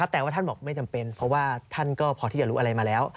แต่ว่าท่านบอกไม่จำเป็นเพราะว่าท่านก็พอที่จะรู้อะไรมาแล้ว